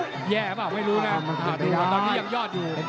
แย่เปล่าไม่รู้นะตอนนี้ยังยอดอยู่